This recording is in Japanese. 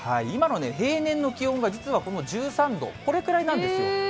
今の平年の気温が実はこの１３度、これくらいなんですよ。